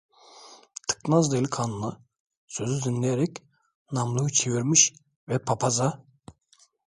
Tıknaz delikanlı sözü dinleyerek namluyu çevirmiş ve papaza: